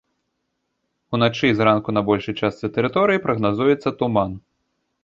Уначы і зранку на большай частцы тэрыторыі прагназуецца туман.